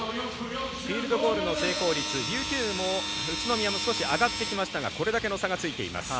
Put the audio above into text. フィールドゴールの成功率琉球も宇都宮も少し上がってきましたがこれだけの差がついています。